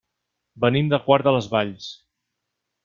Venim de Quart de les Valls.